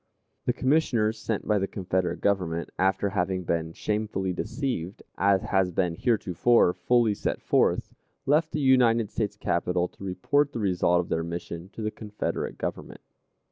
The Commissioners sent by the Confederate Government, after having been shamefully deceived, as has been heretofore fully set forth, left the United States capital to report the result of their mission to the Confederate Government.